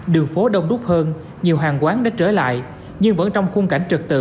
đường phố đông đúc hơn nhiều hàng quán đã trở lại nhưng vẫn trong khung cảnh trật tự